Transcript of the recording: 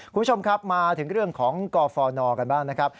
คุณผู้ชมครับมาถึงเรื่องของกฟนกันบ้างนะครับ